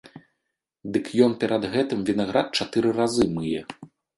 Дык ён перад гэтым вінаград чатыры разы мые.